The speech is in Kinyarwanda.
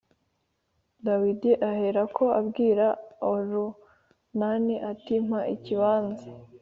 Dawidi aherako abwira orunani ati mpa ikibanza